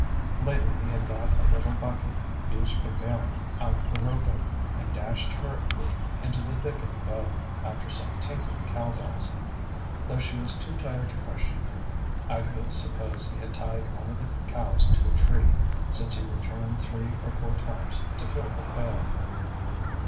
Later he had got a little bucket, used for bailing out the rowboat, and dashed hurriedly into the thicket above after some tinkling cowbells. Though she was too tired to question him, Agatha supposed he had tied one of the cows to a tree, since he returned three or four times to fill the pail.